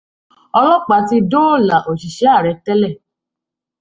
Ọlọ́pàá ti dóòlà òṣìṣẹ́ ààrẹ tẹlẹ.